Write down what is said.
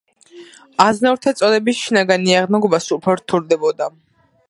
აზნაურთა წოდების შინაგანი აღნაგობა სულ უფრო რთულდებოდა.